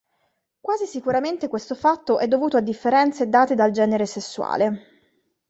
Quasi sicuramente questo fatto è dovuto a differenze date dal genere sessuale.